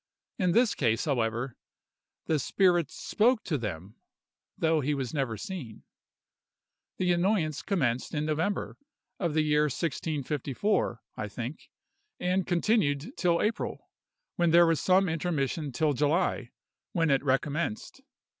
In this case, however, the spirit spoke to them, though he was never seen. The annoyance commenced in November, of the year 1654, I think, and continued till April, when there was some intermission till July, when it recommenced.